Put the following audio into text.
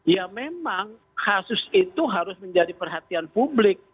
ya memang kasus itu harus menjadi perhatian publik